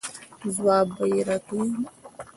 ځواب به یې راکوئ.